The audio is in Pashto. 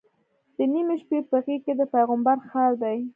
د نیمې شپې په غېږ کې د پیغمبر ښار دی.